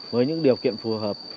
với những điều kiện phù hợp